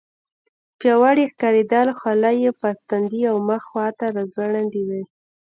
پیاوړي ښکارېدل، خولۍ یې پر تندي او مخ خواته راځوړندې وې.